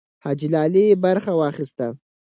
حاجي لالی برخه واخیسته.